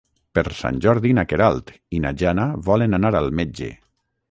Per Sant Jordi na Queralt i na Jana volen anar al metge.